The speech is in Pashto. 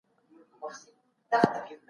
دوی کار کوي